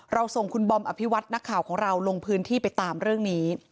ส่งคุณบอมอภิวัตนักข่าวของเราลงพื้นที่ไปตามเรื่องนี้